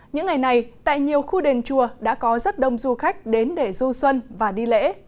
những ngày này tại nhiều khu đền chùa đã có rất đông du khách đến để du xuân và đi lễ